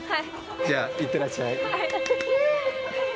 じゃ、行ってらっしゃい。